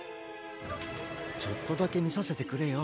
ちょっとだけみさせてくれよ。